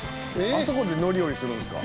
あそこで乗り降りするんですか？